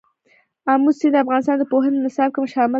آمو سیند د افغانستان د پوهنې نصاب کې شامل دي.